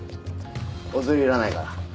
おつりいらないから。